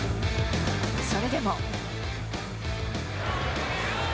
それでも。